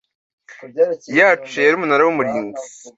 yacu yera umunara w umurinzi